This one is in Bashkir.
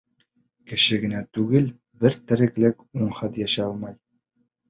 Кеше генә түгел, бар тереклек унһыҙ йәшәй алмай.